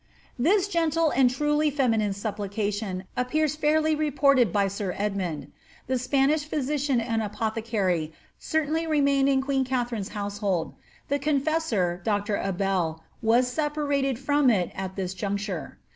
This gentle and truly feminine supplication appears fairly reported by sir Edmund. The Spanish physician and apothecary certainly remained in queen Katharine's household ; the confessor, Dr. Abell,' was separated from it at tliis juncture.